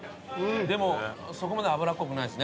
でもそこまで脂っこくないですね。